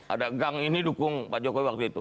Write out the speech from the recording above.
ada gang ini dukung pak jokowi waktu itu